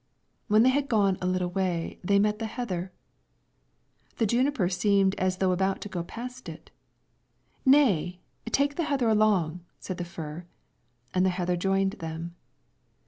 When they had gone a little way, they met the heather. The juniper seemed as though about to go past it. "Nay, take the heather along," said the fir. And the heather joined them.